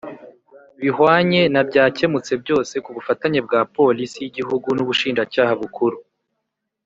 bihwanye na byakemutse byose kubufatanye bwa Polisi y Igihugu n Ubushinjacyaha Bukuru